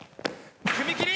踏み切り！